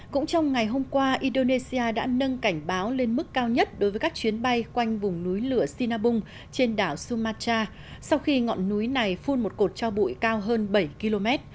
cũng trong ngày hôm qua indonesia đã nâng cảnh báo lên mức cao nhất đối với các chuyến bay quanh vùng núi lửa sinabung trên đảo sumatra sau khi ngọn núi này phun một cột cho bụi cao hơn bảy km